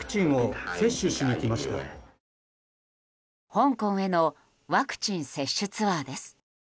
香港へのワクチン接種ツアーです。